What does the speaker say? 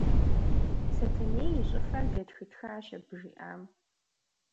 Сэтэней и щӀыфэр дэтхытхащ абы жиӀам.